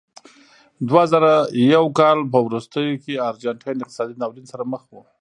د دوه زره یو کال په وروستیو کې ارجنټاین اقتصادي ناورین سره مخ و.